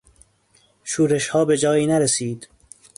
شورشها به جایی نرسید.